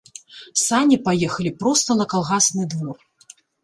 Сані паехалі проста на калгасны двор.